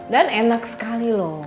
dan enak sekali loh